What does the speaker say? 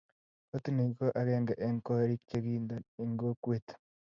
koot ni ko agenge eng' koriik che kinton eng' kokwet